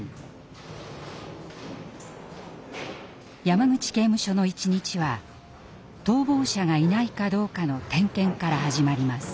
山口刑務所の一日は逃亡者がいないかどうかの点検から始まります。